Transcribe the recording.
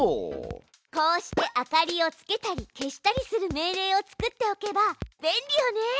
こうして明かりをつけたり消したりする命令を作っておけば便利よね！